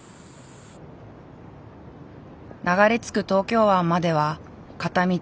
流れ着く東京湾までは片道２３．５キロ。